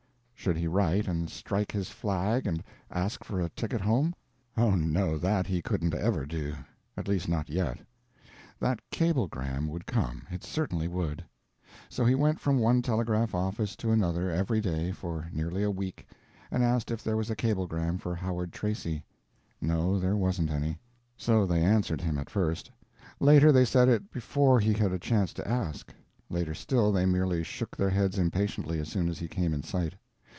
Should he write and strike his flag, and ask for a ticket home? Oh, no, that he couldn't ever do. At least, not yet. That cablegram would come, it certainly would. So he went from one telegraph office to another every day for nearly a week, and asked if there was a cablegram for Howard Tracy. No, there wasn't any. So they answered him at first. Later, they said it before he had a chance to ask. Later still they merely shook their heads impatiently as soon as he came in sight.